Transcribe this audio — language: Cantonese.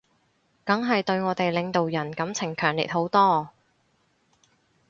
梗係對我哋領導人感情強烈好多